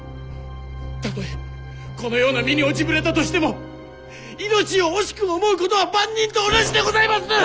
たとえこのような身に落ちぶれたとしても命を惜しく思うことは万人と同じでございます！